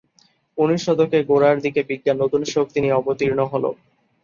উনিশ শতকের গোড়ার দিকে বিজ্ঞান নতুন শক্তি নিয়ে অবতীর্ণ হলো।